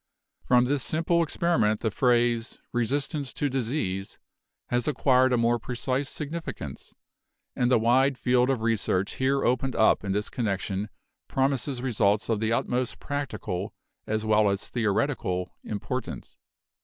From this simple experiment the phrase 'resistance to dis ease' has acquired a more precise significance, and the wide field of research here opened up in this connection promises results of the utmost practical as well as theoreti cal importance.